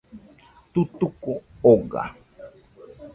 Tutuko oga